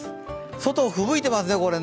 外、吹雪いてますね。